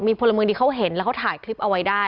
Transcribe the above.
พลเมืองดีเขาเห็นแล้วเขาถ่ายคลิปเอาไว้ได้